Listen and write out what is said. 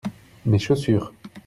Mes chaussures.